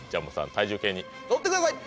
体重計に乗ってください。